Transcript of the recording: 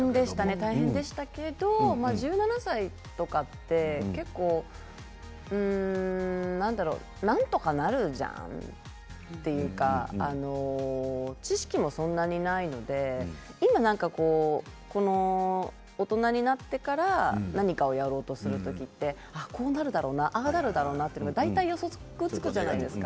大変でしたけど１７歳って、なんだろうなんとかなるじゃんっていうか知識もそんなにないので今、大人になってから何かをやろうとする時ってこうなるだろうなああなるだろうなって大体、予測がつくじゃないですか。